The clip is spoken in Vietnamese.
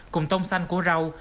cùng tông xanh của rau